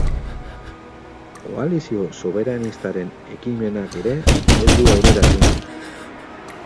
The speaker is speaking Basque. Koalizio soberanistaren ekimenak ere ez du aurrera egin.